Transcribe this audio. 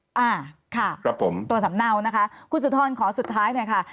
สำเนาตัวสำเนานะคะคุณสุนทรขอสุดท้ายหน่อยค่ะ